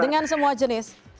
dengan semua jenis